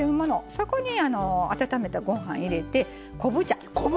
そこに温めたご飯を入れて昆布茶。